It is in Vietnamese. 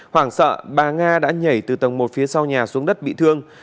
hoảng sợ bà nga đã nhảy từ tầng một phía sau nhà xuống đất bị thương